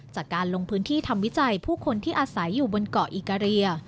จากการลงพื้นที่ทำวิจัยผู้คนที่อาศัยอยู่บนเกาะอิกาเรีย